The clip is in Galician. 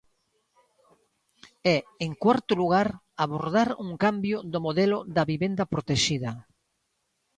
E, en cuarto lugar, abordar un cambio do modelo da vivenda protexida.